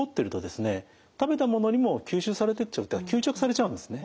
食べたものにも吸収されてっちゃう吸着されちゃうんですね。